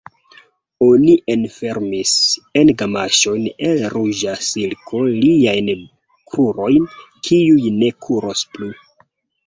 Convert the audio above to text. Oni enfermis en gamaŝojn el ruĝa silko liajn krurojn, kiuj ne kuros plu.